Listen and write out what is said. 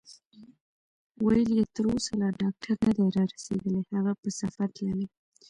ویل یې: تر اوسه لا ډاکټر نه دی رارسېدلی، هغه په سفر تللی.